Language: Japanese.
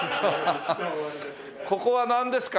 ここはなんですか？